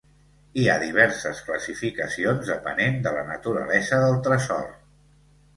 Hi ha diverses classificacions depenent de la naturalesa del tresor.